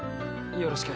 よろしく。